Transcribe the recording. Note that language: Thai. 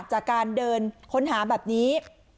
จากการเดินค้นหาแบบนี้